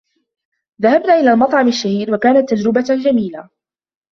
ذهبنا إلى المطعم الشهير وكانت تجربة جميلة